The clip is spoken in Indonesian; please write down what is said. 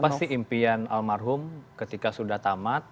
apa sih impian almarhum ketika sudah tamat